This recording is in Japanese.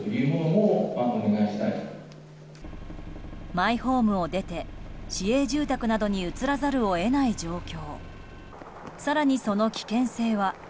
マイホームを出て市営住宅などに移らざるを得ない状況。